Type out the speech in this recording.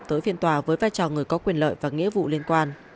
tới phiên tòa với vai trò người có quyền lợi và nghĩa vụ liên quan